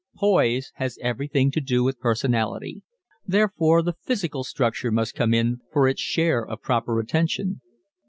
Poise has everything to do with personality, therefore the physical structure must come in for its share of proper attention.